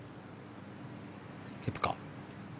ケプカ。